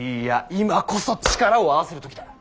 今こそ力を合わせる時だ。